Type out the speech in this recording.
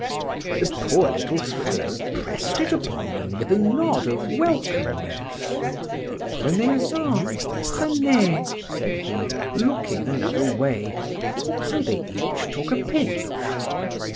—The poor little fellow pressed it upon them with a nod of welcomeness.—Prenez en—prenez, said he, looking another way; so they each took a pinch.